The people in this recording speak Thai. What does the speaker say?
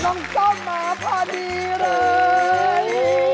น้องซ่อมมาพอดีเลย